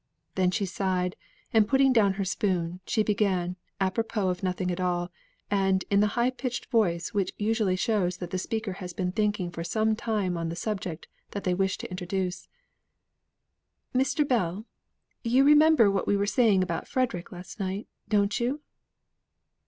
Then she sighed, and putting down her spoon, she began, apropos of nothing at all, and in the high pitched voice which usually shows that the speaker has been thinking for some time on the subject that they wish to introduce "Mr. Bell, you remember what we were saying about Frederick last night, don't you?"